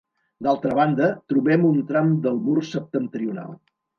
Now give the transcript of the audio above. D'altra banda, trobem un tram del mur septentrional.